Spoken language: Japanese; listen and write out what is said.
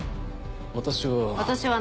私は。